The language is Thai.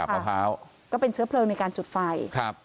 นี่กะมะพร้าวก็เป็นเชื้อเพลิงในการจุดไฟ